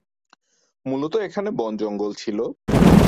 মূলত এখানে বন-জঙ্গল ছিল।